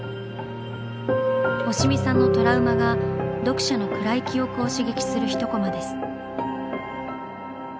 押見さんのトラウマが読者の暗い記憶を刺激する１コマです。